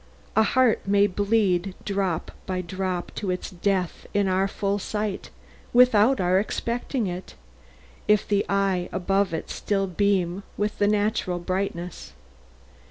A heart may bleed drop by drop to its death in our full sight without our suspecting it, if the eyes above it still beam with natural brightness.